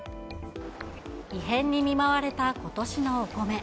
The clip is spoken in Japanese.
異変に見舞われたことしのお米。